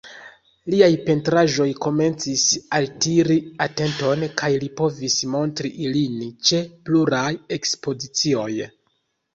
Liaj pentraĵoj komencis altiri atenton, kaj li povis montri ilin ĉe pluraj ekspozicioj.